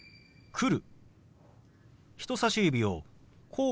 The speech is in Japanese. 「来る」。